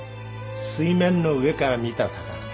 水面の上から見た魚だ。